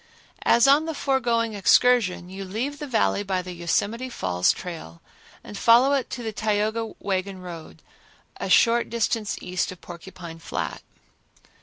As on the foregoing excursion, you leave the Valley by the Yosemite Falls trail and follow it to the Tioga wagon road, a short distance east of Porcupine Flat.